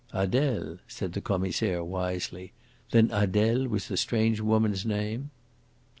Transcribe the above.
"Adele!" said the Commissaire wisely. "Then Adele was the strange woman's name?"